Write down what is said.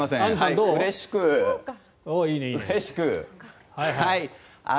うれしく、うれしく。